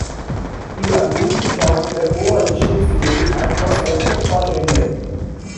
He agreed to join the Coalition slate and was elected for Hendon.